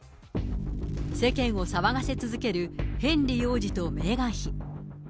世間を騒がせ続けるヘンリー王子とメーガン妃。